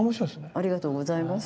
ありがとうございます。